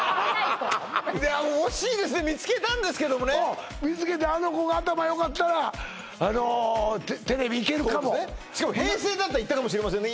惜しいですね見つけたんですけどもね見つけてあの子が頭よかったらテレビいけるかもしかも平成だったらいったかもしれませんね